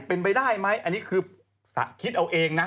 เป็นไปได้ไหมอันนี้คือคิดเอาเองนะ